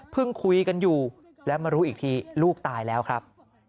คุยกันอยู่แล้วมารู้อีกทีลูกตายแล้วครับ